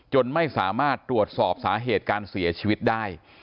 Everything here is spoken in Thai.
ไม่สามารถตรวจสอบสาเหตุการเสียชีวิตได้